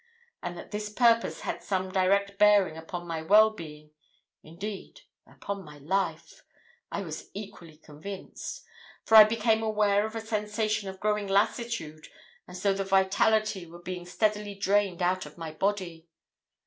And that this purpose had some direct bearing upon my well being, indeed upon my life, I was equally convinced; for I became aware of a sensation of growing lassitude as though the vitality were being steadily drained out of my body.